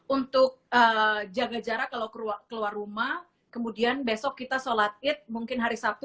untuk jaga jarak kalau keluar rumah kemudian besok kita sholat id mungkin hari sabtu